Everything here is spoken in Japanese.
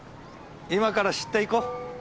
今から知っていこう。